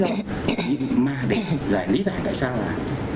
nhưng mà để giải lý giải tại sao là